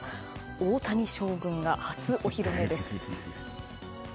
大谷将軍が初お披露目です。